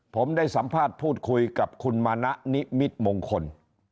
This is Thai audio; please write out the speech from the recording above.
ผมได้สัมภาษณ์พูดคุยกับคุณมณะนิมิตมงคล